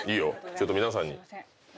ちょっと皆さんに。